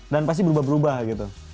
dan pasti berubah berubah gitu